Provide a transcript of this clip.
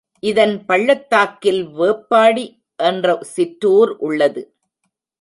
இதன் பள்ளத்தாக்கில் வேப்பாடி என்ற சிற்றூர் உள்ளது.